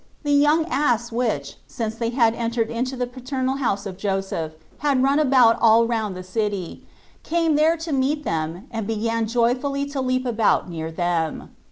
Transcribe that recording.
The young ass which, since they had entered into the paternal house of Joseph, had run about all round the city, came there to meet them, and began joyfully to leap about near them.